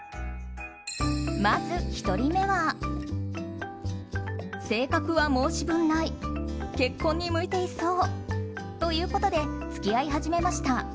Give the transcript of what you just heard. まず１人目は性格は申し分ない結婚に向いてそうということで付き合い始めました。